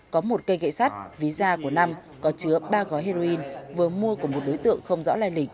có một cây gậy sắt ví da của năm có chứa ba gói heroin vừa mua của một đối tượng không rõ lai lịch